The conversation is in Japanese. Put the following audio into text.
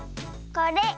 これ。